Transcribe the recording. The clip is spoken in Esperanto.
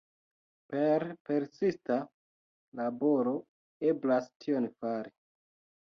Per persista laboro eblas tion fari.